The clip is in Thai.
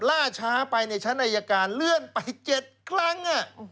ล่าช้าไปในชั้นอายการเลื่อนไป๗ครั้ง